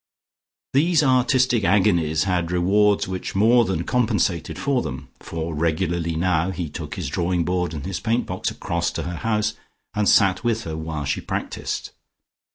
These artistic agonies had rewards which more than compensated for them, for regularly now he took his drawing board and his paint box across to her house, and sat with her while she practised.